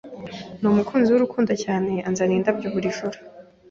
Numukunzi wurukundo cyane unzanira indabyo buri joro.